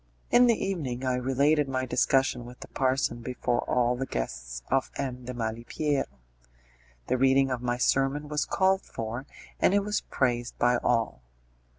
In the evening I related my discussion with the parson before all the guests of M. de Malipiero. The reading of my sermon was called for, and it was praised by all.